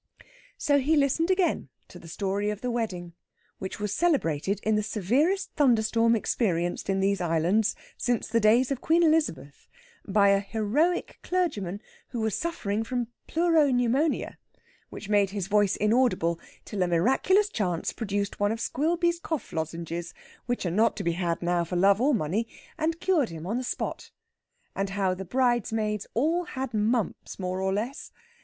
So he listened again to the story of the wedding, which was celebrated in the severest thunderstorm experienced in these islands since the days of Queen Elizabeth, by a heroic clergyman who was suffering from pleuro pneumonia, which made his voice inaudible till a miraculous chance produced one of Squilby's cough lozenges (which are not to be had now for love or money), and cured him on the spot. And how the bridesmaids all had mumps, more or less.